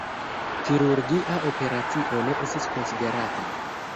Kirurgia operacio ne estis konsiderata.